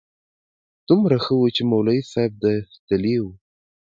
دومره ښه و چې مولوي صاحب دلې و.